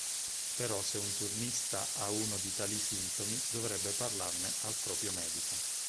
Però se un turnista ha uno di tali sintomi dovrebbe parlarne al proprio medico.